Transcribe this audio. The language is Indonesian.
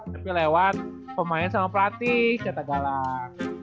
tapi lewat pemain sama pelatih cetak galang